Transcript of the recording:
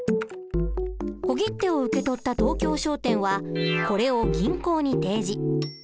小切手を受け取った東京商店はこれを銀行に提示。